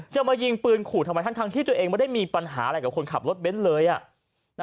มายิงปืนขู่ทำไมทั้งที่ตัวเองไม่ได้มีปัญหาอะไรกับคนขับรถเบ้นเลย